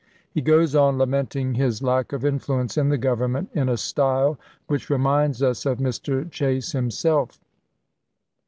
He goes on lamenting his lack of influence in the Government in a style which reminds us of Mr. Chase himself.